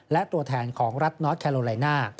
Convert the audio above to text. และตัวแทนของรัฐนอสแคโลไลน่า